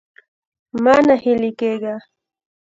مه ناهيلی کېږه.